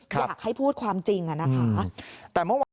อยากให้พูดความจริงอะนะคะ